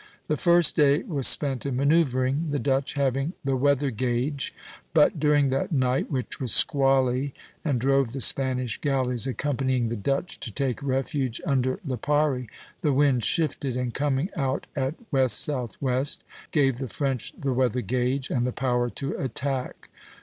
The first day was spent in manoeuvring, the Dutch having the weather gage; but during that night, which was squally and drove the Spanish galleys accompanying the Dutch to take refuge under Lipari, the wind shifted, and coming out at west southwest, gave the French the weather gage and the power to attack.